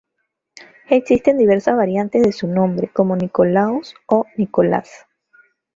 Existen diversas variantes de su nombre, como Nicolaus o Nicolas.